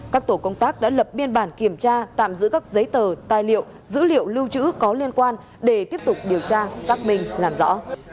các tổ công tác đã lập biên bản kiểm tra tạm giữ các giấy tờ tài liệu dữ liệu lưu trữ có liên quan để tiếp tục điều tra xác minh làm rõ